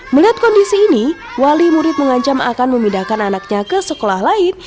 melihat kondisi ini wali murid mengancam akan memindahkan anaknya ke sekolah lain